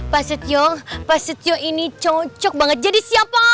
pak setio pak setio ini cocok banget jadi siapa